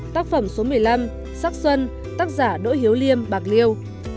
tác phẩm số một mươi năm sắc xuân tác giả đỗ hiếu liêm bạc liêu